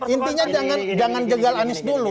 intinya jangan jegal anies dulu